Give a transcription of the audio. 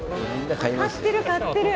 買ってる買ってる。